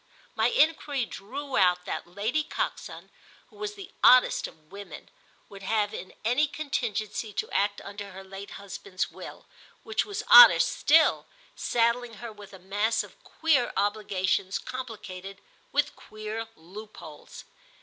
My enquiry drew out that Lady Coxon, who was the oddest of women, would have in any contingency to act under her late husband's will, which was odder still, saddling her with a mass of queer obligations complicated with queer loopholes.